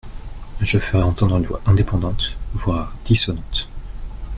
Je ferai entendre une voix indépendante, voire dissonante.